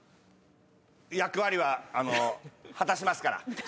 役割はあの果たしますから。